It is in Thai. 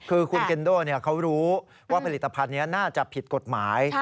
คือคุณเคนโด่เขารู้ว่าผลิตภัณฑ์นี้น่าจะผิดกฎหมาย